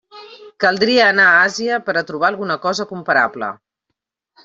Caldria anar a Àsia per a trobar alguna cosa comparable.